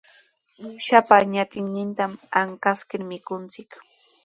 Uushapa ñatinnintaqa ankaskirmi mikunchik.